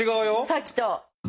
さっきと。